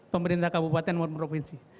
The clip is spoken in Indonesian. pemerintah kabupaten maupun provinsi